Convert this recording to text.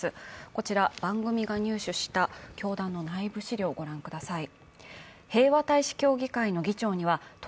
こちら番組が入手した教団の内部資料をご覧ください。